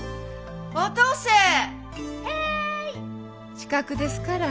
近くですから。